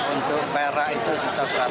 untuk pera itu sekitar seratus jutaan